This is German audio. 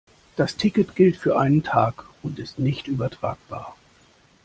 Das Ticket gilt für einen Tag und ist nicht übertragbar.